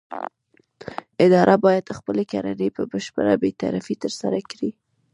اداره باید خپلې کړنې په بشپړه بې طرفۍ ترسره کړي.